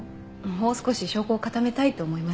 もう少し証拠を固めたいと思いまして。